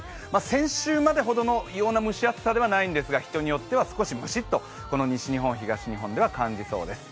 先週までほどではないですが、人によっては少しムシッと、西日本、東日本では感じそうです。